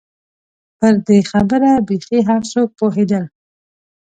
پر دې خبره بېخي هر څوک پوهېدل.